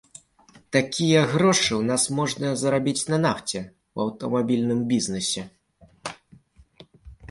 Такія грошы ў нас можна зарабіць на нафце, у аўтамабільным бізнэсе.